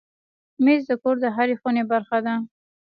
مېز د کور د هرې خونې برخه ده.